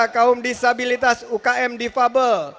kaum disabilitas ukm difable